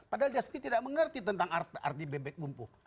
padahal dia sendiri tidak mengerti tentang arti bebek lumpuh